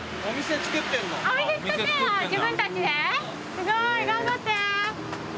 すごい頑張って！